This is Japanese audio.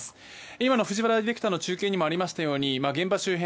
今の藤原ディレクターの中継にもありましたように現場周辺